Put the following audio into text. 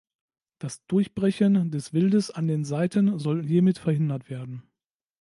Das Durchbrechen des Wildes an den Seiten soll hiermit verhindert werden.